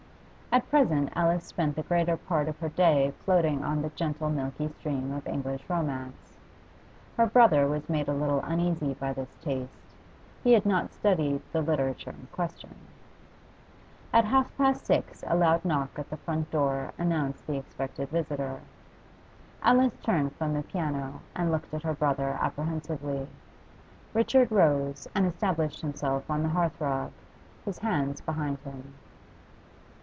At present Alice spent the greater part of her day floating on the gentle milky stream of English romance. Her brother was made a little uneasy by this taste; he had not studied the literature in question. At half past six a loud knock at the front door announced the expected visitor. Alice turned from the piano, and looked at her brother apprehensively. Richard rose, and established himself on the hearthrug, his hands behind him.